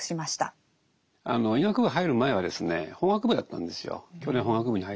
医学部入る前はですね法学部だったんですよ。